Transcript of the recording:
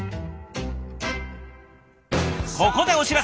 ここでお知らせ！